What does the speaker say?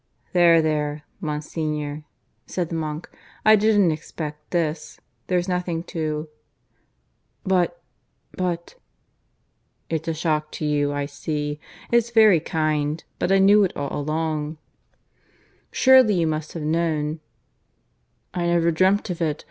"There, there, Monsignor," said the monk. "... I didn't expect this. There's nothing to " "But ... but " "It's a shock to you, I see. ... It's very kind. ... But I knew it all along. Surely you must have known " "I never dreamt of it.